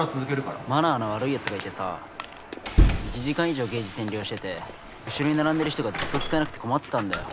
マナーの悪いやつがいてさ１時間以上ゲージ占領してて後ろに並んでる人がずっと使えなくて困ってたんだよ。